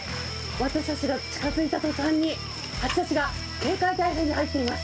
私たちが近づいた途端に、ハチたちが警戒態勢に入っています。